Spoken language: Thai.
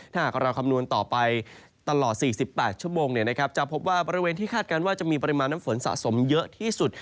ถ้าหากเราคำนวณต่อไปตลอด๔๘ชั่วโมงจะพบว่าบริเวณที่คาดการณ์ว่าจะมีปริมาณน้ำฝนสะสมเยอะที่สุด